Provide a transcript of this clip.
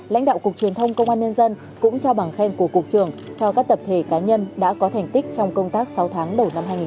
lãnh đạo cục truyền thông công an nhân dân cũng trao bằng khen của cục trưởng cho các tập thể cá nhân đã có thành tích trong công tác sáu tháng đầu năm hai nghìn hai mươi ba